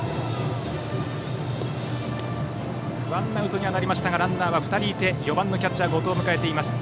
ワンアウトにはなりましたがランナーは２人いて４番のキャッチャーの後藤を迎えています。